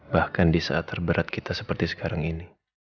bahkan di saat terberat kita seperti sekarang ini